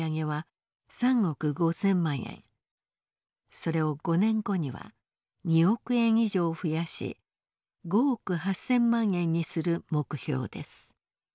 それを５年後には２億円以上増やし５億８，０００万円にする目標です。